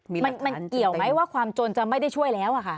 มันเกี่ยวไหมว่าความจนจะไม่ได้ช่วยแล้วอะค่ะ